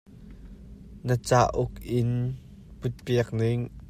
Na cauk in put piak ning.